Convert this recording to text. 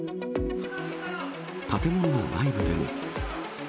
建物の内部でも。